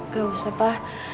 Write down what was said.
gak usah pak